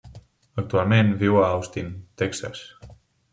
Actualment, viu a Austin, Texas.